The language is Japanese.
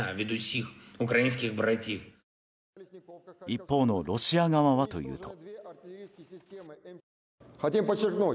一方のロシア側はというと。